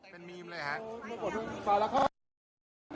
เป็นเมมเลยครับ